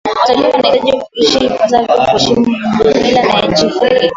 watalii wanahitaji kuishi ipasavyo kuheshimu mila ya nchi hii